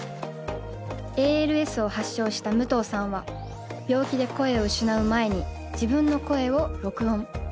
ＡＬＳを発症した武藤さんは病気で声を失う前に自分の声を録音。